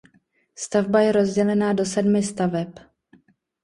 Stavba je rozdělená do sedmi staveb.